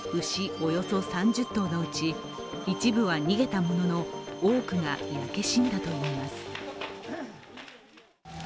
およそ３０頭のうち一部は逃げたものの、多くが焼け死んだといいます。